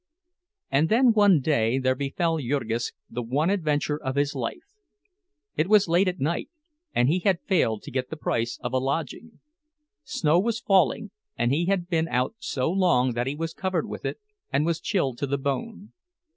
And then one day there befell Jurgis the one adventure of his life. It was late at night, and he had failed to get the price of a lodging. Snow was falling, and he had been out so long that he was covered with it, and was chilled to the bone.